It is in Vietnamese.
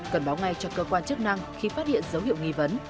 cần báo ngay cho cơ quan chức năng khi phát hiện dấu hiệu nghi vấn